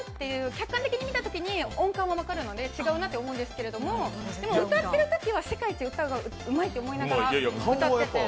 客観的に見たときに音感は分かるので、違うなと思うんですけれども、でも歌ってるときは世界一歌がうまいと思って歌ってて。